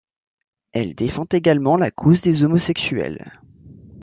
Elle défend également la cause des homosexuels.